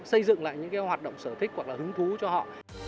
xây dựng lại những hoạt động sở thích hoặc là hứng thú cho họ